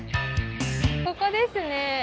ここですね